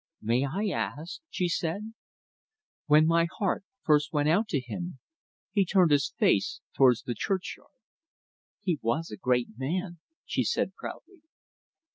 "May I ask?" she said. "When my heart first went out to him" he turned his face towards the churchyard. "He was a great man," she said proudly.